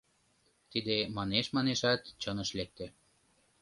Тиде манеш-манешат чыныш лекте.